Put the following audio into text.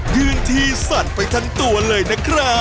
ยืนทีสั่นไปทั้งตัวเลยนะครับ